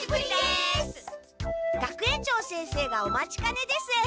学園長先生がお待ちかねです。